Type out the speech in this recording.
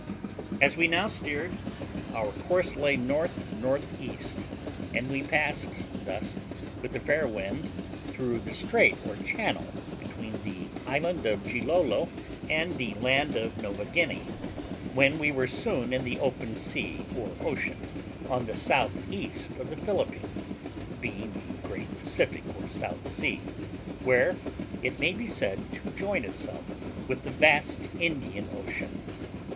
As we now steered, our course lay N.N.E., and we passed thus, with a fair wind, through the strait or channel between the island of Gilolo and the land of Nova Guinea, when we were soon in the open sea or ocean, on the south east of the Philippines, being the great Pacific, or South Sea, where it may be said to join itself with the vast Indian Ocean.